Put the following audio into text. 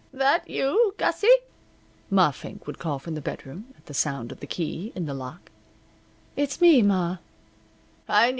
"That you, Gussie?" Ma Fink would call from the bedroom, at the sound of the key in the lock. "It's me, ma."